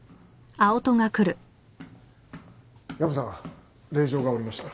・薮さん令状が下りました。